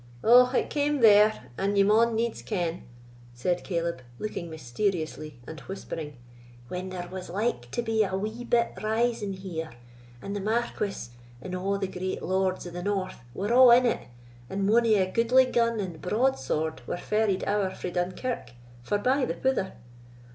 "Ou, it came there, an ye maun needs ken," said Caleb, looking mysteriously, and whispering, "when there was like to be a wee bit rising here; and the Marquis, and a' the great lords of the north, were a' in it, and mony a gudely gun and broadsword were ferried ower frae Dunkirk forbye the pouther.